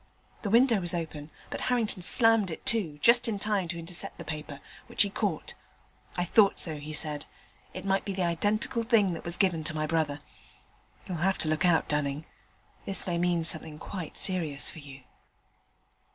The window was open, but Harrington slammed it to, just in time to intercept the paper, which he caught. 'I thought so,' he said; 'it might be the identical thing that was given to my brother. You'll have to look out, Dunning; this may mean something quite serious for you.'